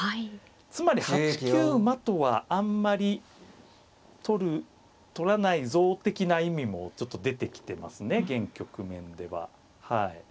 つまり８九馬とはあんまり取る取らないぞ的な意味もちょっと出てきてますね現局面では。